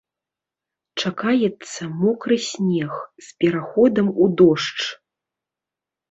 Чакаецца мокры снег, з пераходам у дождж.